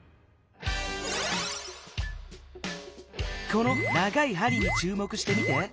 この長い針にちゅうもくしてみて。